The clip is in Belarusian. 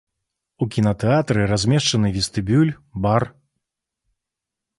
У кінатэатры размешчаны вестыбюль, бар.